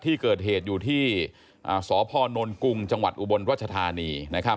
ที่เกิดเหตุอยู่ที่สพนกุงจังหวัดอุบลรัชธานี